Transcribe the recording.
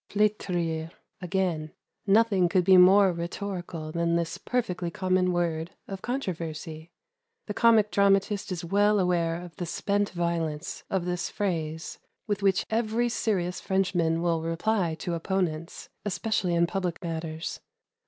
"Fletrir," again. Nothing could be more rhetorical than this perfectly common word of controversy. The comic dramatist is well aware of the spent violence of this phrase, with which every serious Frenchman will reply to opponents, especially in public matters.